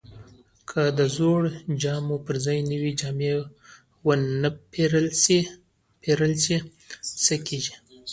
که د زړو جامو پر ځای نوې جامې ونه پیرل شي، څه کیږي؟